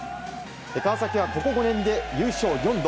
川崎は、ここ５年で優勝４度。